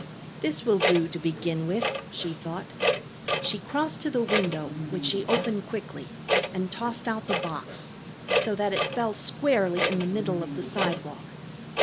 "This will do to begin with," she thought. She crossed to the window, which she opened quickly, and tossed out the box, so that it fell squarely in the middle of the sidewalk.